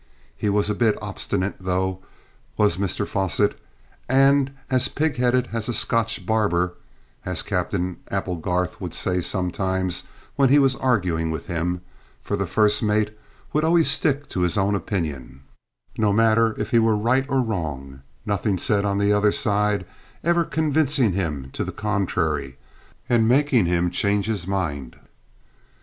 He was a bit obstinate, though, was Mr Fosset; and "as pigheaded as a Scotch barber," as Captain Applegarth would say sometimes when he was arguing with him, for the first mate would always stick to his own opinion, no matter if he were right or wrong, nothing said on the other side ever convincing him to the contrary and making him change his mind.